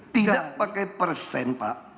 tidak pakai persen pak